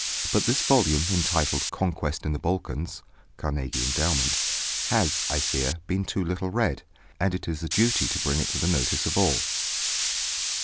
But this volume entitled "Conquest in the Balkans" (Carnegie Endowment) has, I fear, been too little read, and it is a duty to bring it to the notice of all.